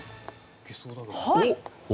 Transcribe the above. はい。